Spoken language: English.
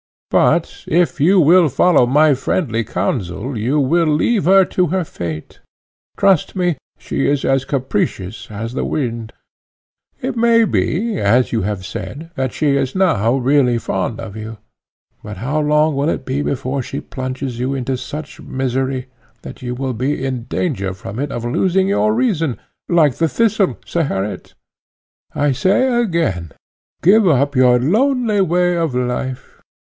But, if you will follow my friendly counsel, you will leave her to her fate. Trust me, she is as capricious as the wind; it may be, as you have said, that she now is really fond of you, but how long will it be before she plunges you into such misery, that you will be in danger from it of losing your reason, like the Thistle, Zeherit? I say again, give up your lonely way of life.